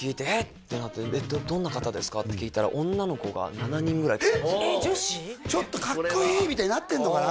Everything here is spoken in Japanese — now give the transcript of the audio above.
ってなってどんな方ですか？って聞いたらちょっとかっこいいみたいになってんのかな